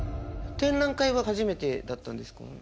展覧会は初めてだったんですかね？